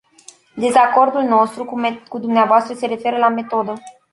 Dezacordul nostru cu dvs. se referă la metodă.